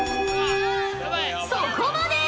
そこまで！